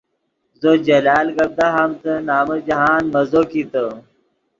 زو جلال گپ دہامتے نمن جاہند مزو کڑ